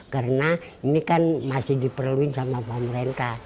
karena ini kan masih diperluin sama pemerintah